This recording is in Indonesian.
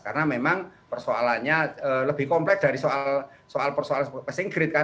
karena memang persoalannya lebih komplek dari soal soal passing grade kan